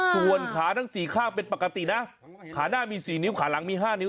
ส่วนขาทั้ง๔ข้างเป็นปกตินะขาหน้ามี๔นิ้วขาหลังมี๕นิ้